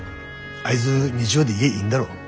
あいづ日曜で家いんだろ？